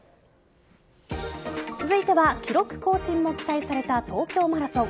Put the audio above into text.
続いては記録更新も期待された東京マラソン。